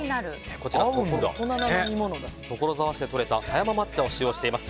こちら所沢市でとれた狭山抹茶を使用しています。